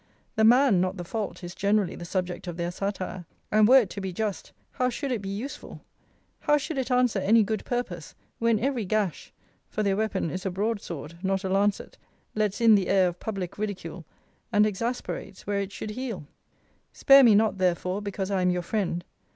The man, not the fault, is generally the subject of their satire: and were it to be just, how should it be useful; how should it answer any good purpose; when every gash (for their weapon is a broad sword, not a lancet) lets in the air of public ridicule, and exasperates where it should heal? Spare me not therefore because I am your friend.